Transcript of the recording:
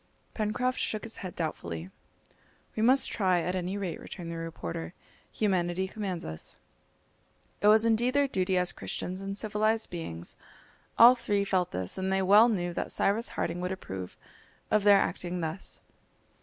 Pencroft shook his head doubtfully. "We must try at any rate," returned the reporter; "humanity commands us." It was indeed their duty as Christians and civilised beings. All three felt this, and they well knew that Cyrus Harding would approve of their acting thus.